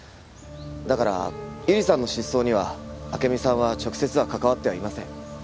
だから百合さんの失踪には暁美さんは直接は関わってはいません。